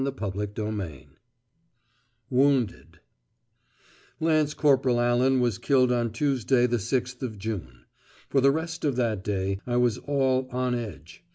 CHAPTER XVI WOUNDED Lance Corporal Allan was killed on Tuesday the 6th of June. For the rest of that day I was all "on edge."